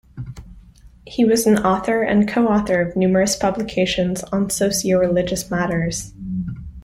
He was an author and co-author of numerous publications on socio-religious matters.